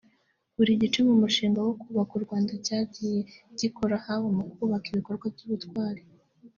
Buri gice mu mushinga wo kubaka u Rwanda cyagiye gikora haba mu kubaka ibikorwa by’ubutwari